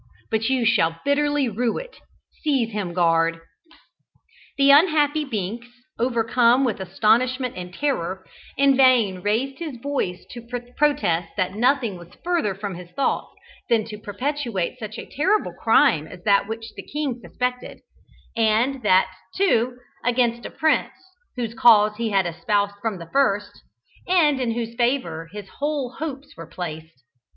But you shall bitterly rue it! Seize him, guard!" The unhappy Binks, overcome with astonishment and terror, in vain raised his voice to protest that nothing was further from his thoughts than to perpetrate such a terrible crime as that which the king suspected and that, too, against a prince whose cause he had espoused from the first, and in whose favour his whole hopes were placed.